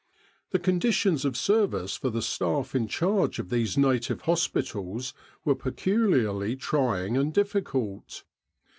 The conditions of service for the staff in charge of these native hospitals were pecu liarly trying and difficult.